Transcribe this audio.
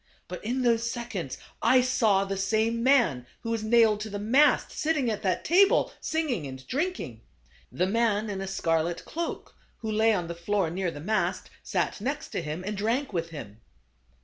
But in those seconds I saw the same man who was nailed to the mast sitting at that table, singing and drinking. The man in a scarlet cloak, who lay on the floor near the mast, sat next to him, and drank with him." THE CARAVAN.